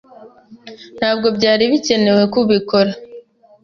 Ntabwo byari bikenewe ko ubikora.